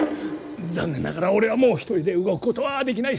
残念ながら俺はもう一人で動くことはできない。